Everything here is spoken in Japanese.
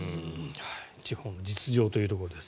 地方の実情というところです。